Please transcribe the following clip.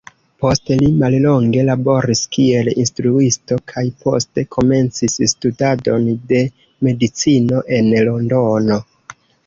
Post li mallonge laboris kiel instruisto, kaj poste komencis studadon de medicino en Londono.